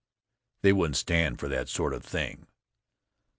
They wouldn't stand for that sort of thing.